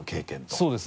そうですね。